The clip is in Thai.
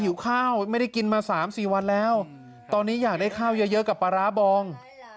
วันแล้วตอนนี้อยากได้ข้าวเยอะกับปลาร้าบอง